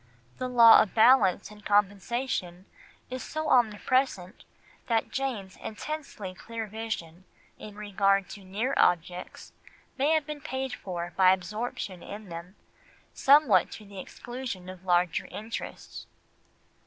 The law of balance and compensation is so omnipresent, that Jane's intensely clear vision in regard to near objects may have been paid for by absorption in them, somewhat to the exclusion of larger interests.